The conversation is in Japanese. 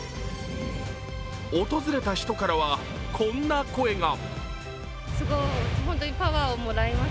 訪れた人からはこんな声が。